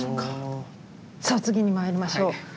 さあ次にまいりましょう。